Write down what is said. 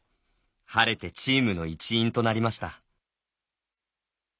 晴れてチームの一員となりました。